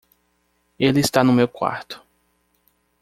Ele está no meu quarto.